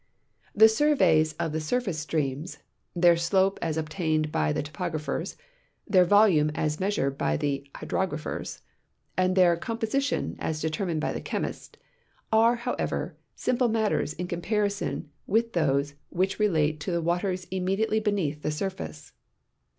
The surveys of the surface streams, their sloj)e as oldained by the toi)Ographers, their volume as measured l)y the hydrogra ])hers, and their composition as determined h}" the chemist, are, however, simjfle matters in comparison with; those which relate to the waters immediately beneath the surface.